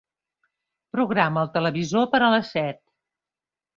Programa el televisor per a les set.